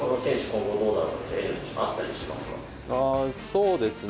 そうですね。